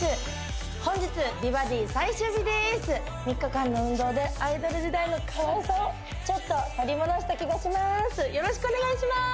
本日美バディ最終日です３日間の運動でアイドル時代のかわいさをちょっと取り戻した気がします